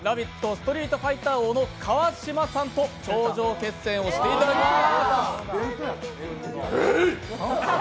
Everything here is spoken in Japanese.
ストリートファイター王の川島さんと頂上決戦をしていただきます。